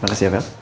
makasih ya vel